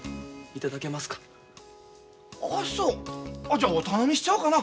じゃお頼みしちゃおうかな。